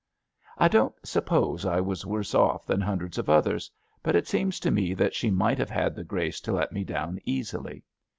I don^t suppose I was worse off than hundreds of others, but it seems to me that she might have had the grace to let me down easily.